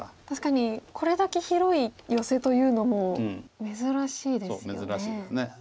確かにこれだけ広いヨセというのも珍しいですよね。